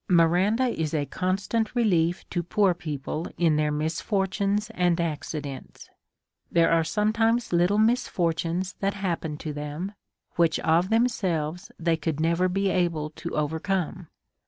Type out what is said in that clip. I Miranda is a constant relief to poor people in their misfortunes and accidents. There are sometimes lit tle misfortunes that happen to them, which of them selves they could never be able to overcome.